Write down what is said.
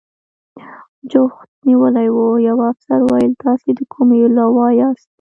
جوخت نیولي و، یوه افسر وویل: تاسې د کومې لوا یاست؟